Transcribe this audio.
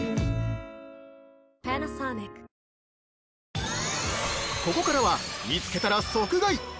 ◆ここからは、見つけたら即買い！